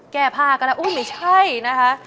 แก้ผ้ากันแล้วอุ้ยไม่ใช่นะคะ